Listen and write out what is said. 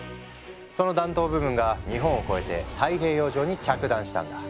その弾頭部分が日本を越えて太平洋上に着弾したんだ。